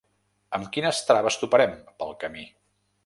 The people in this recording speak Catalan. Amb quines traves toparem, pel camí?